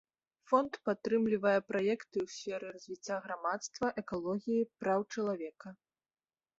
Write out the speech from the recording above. Фонд падтрымлівае праекты ў сферы развіцця грамадства, экалогіі, праў чалавека.